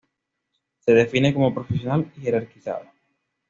Se define como profesional y jerarquizada.